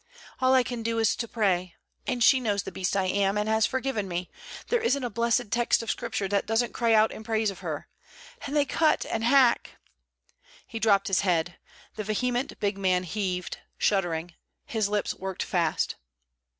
All I can do is to pray. And she knows the beast I am, and has forgiven me. There isn't a blessed text of Scripture that doesn't cry out in praise of her. And they cut and hack...!' He dropped his head. The vehement big man heaved, shuddering. His lips worked fast.